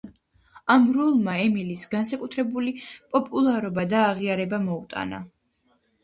ამ როლმა ემილის განსაკუთრებული პოპულარობა და აღიარება მოუტანა.